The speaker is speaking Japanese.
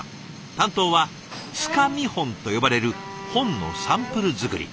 担当は「束見本」と呼ばれる本のサンプル作り。